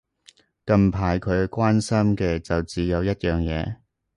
近排佢關心嘅就只有一樣嘢